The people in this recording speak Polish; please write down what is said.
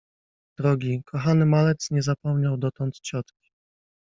Drogi, kochany malec nie zapomniał dotąd ciotki.